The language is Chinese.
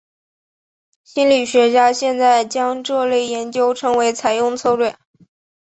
心理学家现在将这类研究称为采用策略。